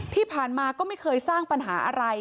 ที่ผ่านมาก็ไม่เคยสร้างปัญหาอะไร